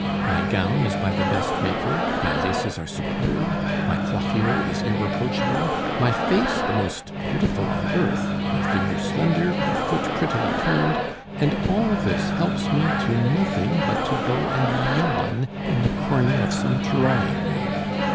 My gown is by the best maker, my laces are superb, my coiffure is irreproachable, my face the most beautiful on earth, my figure slender, my foot prettily turned, and all this helps me to nothing but to go and yawn in the corner of some drawing room!